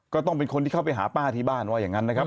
ก็ต้องเป็นคนที่เข้าไปหาป้าที่บ้านว่าอย่างนั้นนะครับ